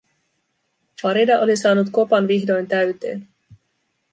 Farida oli saanut kopan vihdoin täyteen.